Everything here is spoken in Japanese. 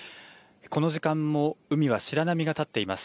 この時間も海は白波が立っています。